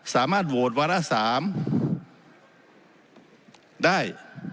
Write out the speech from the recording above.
สามารถโหวตวาระ๓ได้